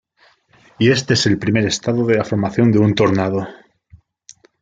Y este es el primer estadio de la formación de un tornado.